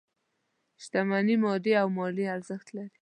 شتمني مادي او مالي ارزښت لري.